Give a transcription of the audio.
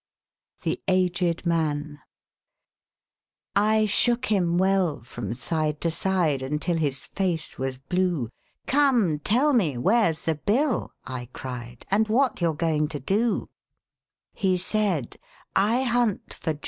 63 THE AGED MAN I SHOOK him well from side to side Until his face was blue. "Come, tell me where's the Bill," I cried, " And what you're going to do." 65 •» I • t I • J